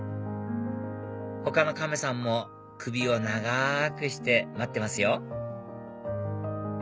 他の亀さんも首を長くして待ってますよ